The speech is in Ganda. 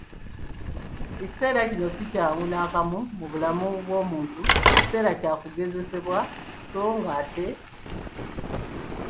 Ekiseera kino si kyangu nakamu mu bulamu bw'omuntu, kiseera kya kugezesebwa so ng'ate